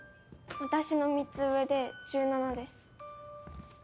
私の３つ上で１７です。